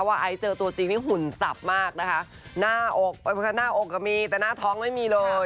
ไปฟังดีกว่าว่าตกลงสาวสวยอย่างไอ